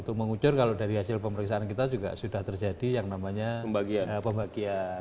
untuk mengucur kalau dari hasil pemeriksaan kita juga sudah terjadi yang namanya pembagian